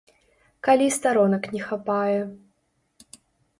Калі старонак не хапае.